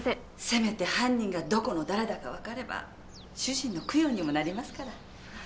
せめて犯人がどこの誰だかわかれば主人の供養にもなりますから。